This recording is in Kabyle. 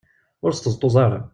Ur sṭeẓṭuẓ ara.